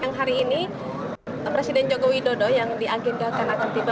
yang hari ini presiden jokowi dodo yang diagentakan akan tiba